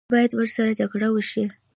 باید ورسره جګړه وشي.